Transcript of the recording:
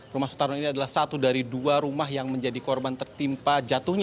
rumah sutarno ini adalah satu dari dua rumah yang menjadi korban tertimpa jatuhnya